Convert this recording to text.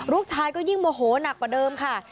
ลูกชายก็ยิ่งโมโหนักกว่าเดิมค่ะ